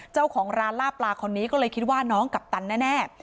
เจ้าของร้านล่าปลาคนนี้ก็เลยคิดว่าน้องกัปตันแน่